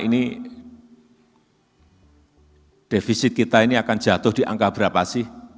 ini defisit kita ini akan jatuh di angka berapa sih